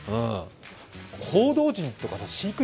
報道陣とか飼育員